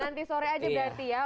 nanti sore aja berarti ya